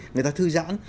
người ta thư giãn